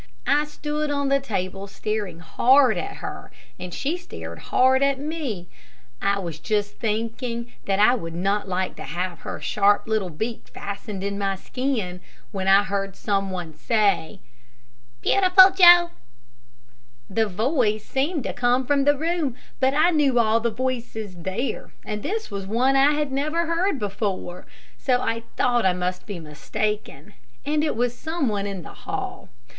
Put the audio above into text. I stood on the table staring hard at her, and she stared hard at me. I was just thinking that I would not like to have her sharp little beak fastened in my skin, when I heard some one say, "Beautiful Joe." The voice seemed to come from the room, but I knew all the voices there, and this was one I had never heard before, so I thought I must be mistaken, and it was some one in the hall.